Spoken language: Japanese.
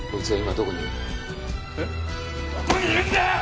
どこにいるんだよ！！